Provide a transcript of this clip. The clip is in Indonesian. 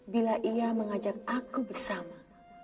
bila ia mengajak aku bersama